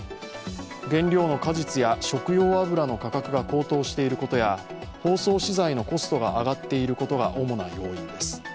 原料の果実や食用油の価格が高騰していることや包装資材のコストが上がっていることが主な要因です。